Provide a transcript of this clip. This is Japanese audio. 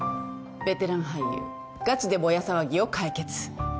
ベテラン俳優ガチでぼや騒ぎを解決。